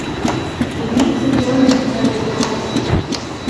It meets in Bern in the Federal Palace.